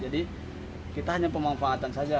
jadi kita hanya pemanfaatan saja